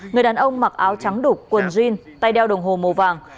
người đàn ông mặc áo trắng đục quần jean tay đeo đồng hồ màu vàng